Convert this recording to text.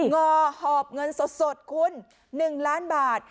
งอหอบเงินสดคุณ๑ล้านบาท